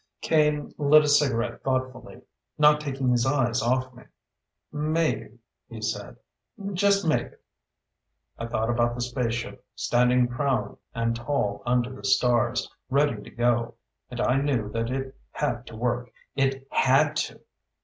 Kane lit a cigarette thoughtfully, not taking his eyes off me. "Maybe," he said. "Just maybe." I thought about the spaceship standing proud and tall under the stars, ready to go. And I knew that it had to work. It had to.